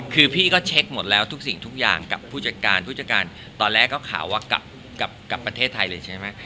คือพี่ก็เช็คหมดแล้วทุกสิ่งทุกอย่างกับผู้จัดการผู้จัดการตอนแรกก็ข่าวว่ากลับกลับประเทศไทยเลยใช่ไหม